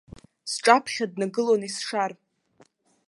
Сҿаԥхьа днагылон есшар.